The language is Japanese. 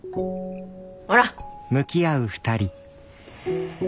ほら！